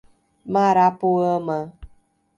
Marapoama